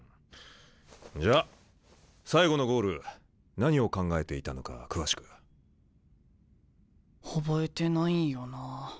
んじゃ最後のゴール何を考えていたのか詳しく。覚えてないんよなあ。